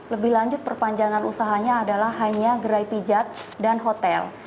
lebih lanjut perpanjangan usahanya adalah hanya gerai pijat dan hotel